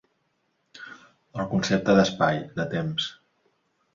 El concepte d'espai, de temps.